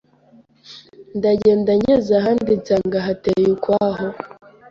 Ndagenda ngeze ahandi nsanga hateye ukwaho